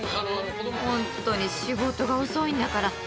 本当に仕事が遅いんだから。